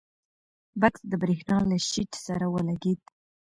بکس د برېښنا له شیټ سره ولګېد.